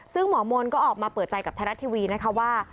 ซึ่งหมอมนต์ก็ออกมาเปิดใจกับไทยรัฐทีวีนะคะว่า